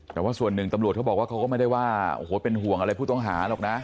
แต่ว่าส่วนหนึ่งตำรวจเขาบอกว่าเขาก็ไม่ได้ว่าโอ้โหเป็นห่วงอะไรผู้ต้องหาหรอกนะ